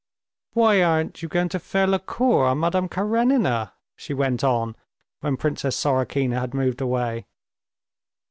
"Why aren't you going to faire la cour à Madame Karenina?" she went on, when Princess Sorokina had moved away.